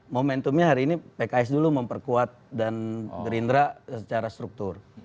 momentumnya hari ini pks dulu memperkuat dan gerindra secara struktur